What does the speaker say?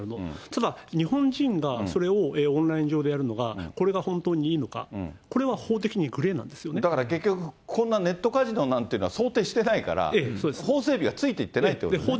ただ日本人がそれをオンライン上でやるのが、これが本当にいいのか、だから結局、こんなネットカジノなんて想定してないから、法整備がついていってないということですね。